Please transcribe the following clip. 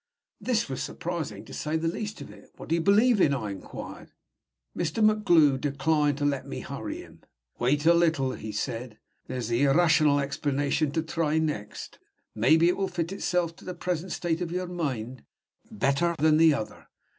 This was surprising, to say the least of it. "What do you believe in?" I inquired. Mr. MacGlue declined to let me hurry him. "Wait a little," he said. "There's the _ir_rational explanation to try next. Maybe it will fit itself to the present state of your mind better than the other.